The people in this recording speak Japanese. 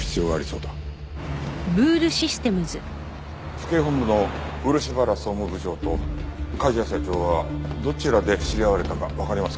府警本部の漆原総務部長と梶谷社長はどちらで知り合われたかわかりますか？